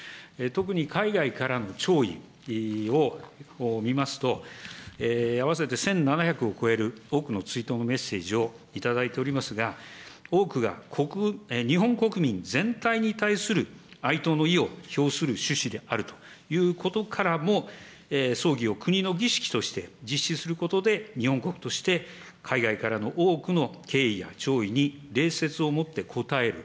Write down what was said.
特に海外からの弔意を見ますと、合わせて１７００を超える多くの追悼のメッセージを頂いておりますが、多くが日本国民全体に対する哀悼の意を表する趣旨であるということからも、葬儀を国の儀式として実施することで日本国として、海外からの多くの敬意や弔意に礼節をもって応える。